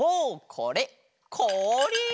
これこおり！